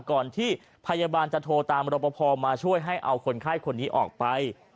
ก่อนที่พยาบาลจะโทรตามรบพอมาช่วยให้เอาคนไข้คนนี้ออกไป